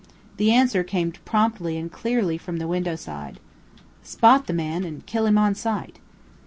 The answer came promptly and clearly from the window side: "Spot the man, and kill him on sight."